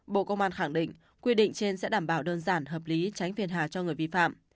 bộ công an khẳng định quy định trên sẽ đảm bảo đơn giản hợp lý tránh phiền hà cho người vi phạm